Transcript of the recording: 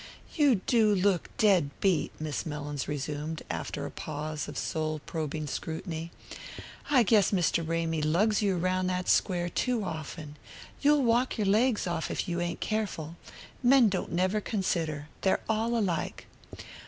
"You do look dead beat," Miss Mellins resumed, after a pause of soul probing scrutiny. "I guess Mr. Ramy lugs you round that Square too often. You'll walk your legs off if you ain't careful. Men don't never consider they're all alike.